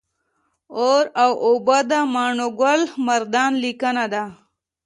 اور او اوبه د ماڼوګل مردان لیکنه ده